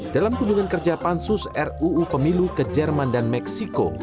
dalam kunjungan kerja pansus ruu pemilu ke jerman dan meksiko